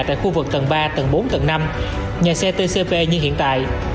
tại khu vực tầng ba tầng bốn tầng năm nhà xe tcp như hiện tại